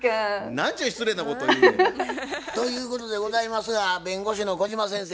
何ちゅう失礼なことを言うのや。ということでございますが弁護士の小島先生